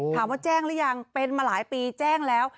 ถามว่าแจ้งแล้วยังเป็นมาหลายปีแจ้งแล้ว